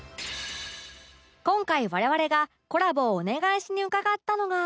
今回我々がコラボをお願いしに伺ったのが